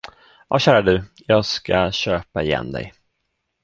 Ja, kära du, jag ska köpa igen dig.